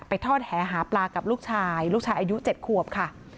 ทอดแหหาปลากับลูกชายลูกชายอายุ๗ขวบค่ะ